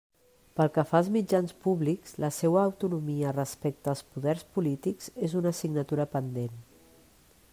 Pel que fa als mitjans públics, la seua autonomia respecte als poders polítics és una assignatura pendent.